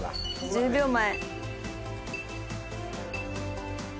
１０秒前。